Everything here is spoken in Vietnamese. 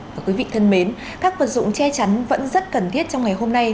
và quý vị thân mến các vật dụng che chắn vẫn rất cần thiết trong ngày hôm nay